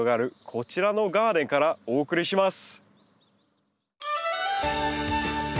こちらのガーデンからお送りします。